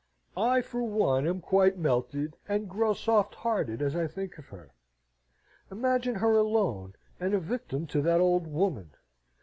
I for one am quite melted and grow soft hearted as I think of her. Imagine her alone, and a victim to that old woman!